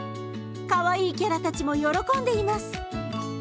かわいいキャラたちも喜んでいます。